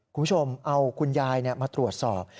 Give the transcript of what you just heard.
คุณผู้ชมเอาคุณยายมาตรวจสอบ